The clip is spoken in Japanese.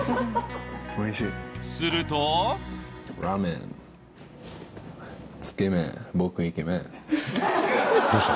するとどうした？